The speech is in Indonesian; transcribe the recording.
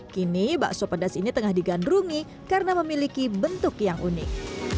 kini bakso pedas ini tengah digandrungi karena memiliki bentuk yang unik